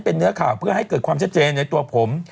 เป็นเนื้อข่าวเพื่อให้เกิดความชัดเจนในตัวผม